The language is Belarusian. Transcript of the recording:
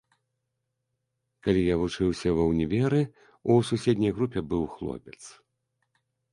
Калі я вучыўся ва ўніверы, у суседняй групе быў хлопец.